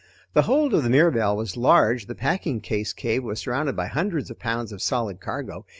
The hold of the Mirabelle was large, the packing case cave was surrounded by hundreds of pounds of solid cargo.